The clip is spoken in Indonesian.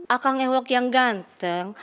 akan ewok yang ganteng